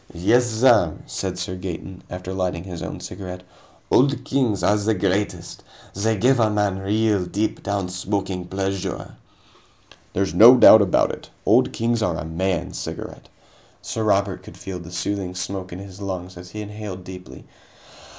"Yes, sir," said Sir Gaeton, after lighting his own cigarette, "Old Kings are the greatest. They give a man real, deep down smoking pleasure." "There's no doubt about it, Old Kings are a man's cigarette." Sir Robert could feel the soothing smoke in his lungs as he inhaled deeply.